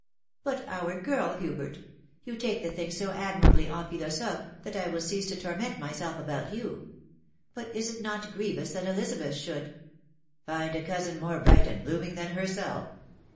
" But our girl, Hubert ? You take the thing so admirably en pMlosophe, that I will cease to torment myself about you. But is it not grievous that EUzabeth should —" "Find a cousin more bright and blooming than herself?